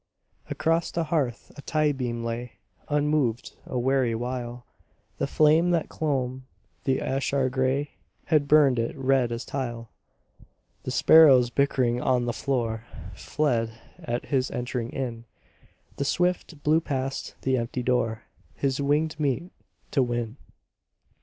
Across the hearth a tie beam lay Unmoved a weary while. The flame that clomb the ashlar grey Had burned it red as tile. The sparrows bickering on the floor Fled at his entering in; The swift flew past the empty door His winged meat to win.